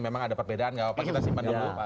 memang ada perbedaan gak apa apa kita simpan dulu